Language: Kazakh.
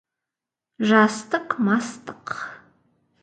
Жастық — мастық.